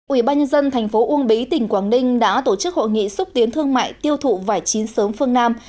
ủy ban nhân dân thành phố uông bí tỉnh quảng ninh đã tổ chức hội nghị xúc tiến thương mại tiêu thụ vải chín sớm phương nam